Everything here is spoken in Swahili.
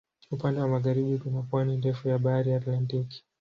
Upande wa magharibi kuna pwani ndefu ya Bahari Atlantiki.